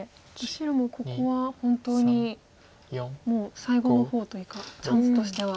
白もここは本当にもう最後の方というかチャンスとしては。